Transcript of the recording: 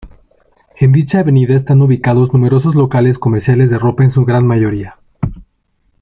En dicha avenida están ubicados numerosos locales comerciales de ropa en su gran mayoría.